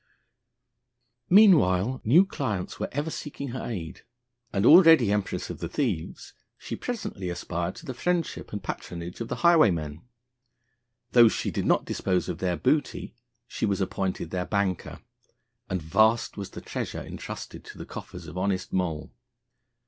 Meanwhile new clients were ever seeking her aid, and, already empress of the thieves, she presently aspired to the friendship and patronage of the highwaymen. Though she did not dispose of their booty, she was appointed their banker, and vast was the treasure entrusted to the coffers of honest Moll.